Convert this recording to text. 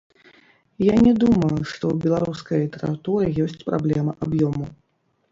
Я не думаю, што ў беларускай літаратуры ёсць праблема аб'ёму.